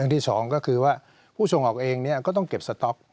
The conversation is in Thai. อย่างที่สองก็คือว่าผู้ส่งออกเองเนี่ยก็ต้องเก็บสต็อก